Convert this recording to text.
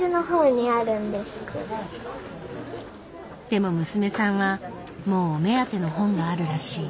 でも娘さんはもうお目当ての本があるらしい。